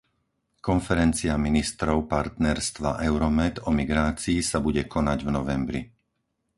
Konferencia ministrov partnerstva Euromed o migrácii sa bude konať v novembri.